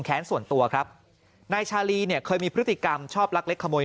แค้นส่วนตัวครับนายชาลีเนี่ยเคยมีพฤติกรรมชอบลักเล็กขโมย